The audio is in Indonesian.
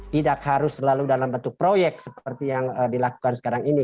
tidak harus selalu dalam bentuk proyek seperti yang dilakukan sekarang ini